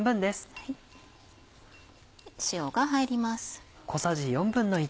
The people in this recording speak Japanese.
塩が入ります。